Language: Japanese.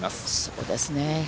そうですね。